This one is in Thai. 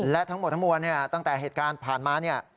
และทั้งหมดทั้งมวลตั้งแต่เหตุการณ์ผ่านมา